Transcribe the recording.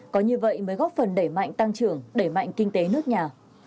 có như vậy mới góp phần để mạnh tăng trưởng để mạnh kinh tế nước nhà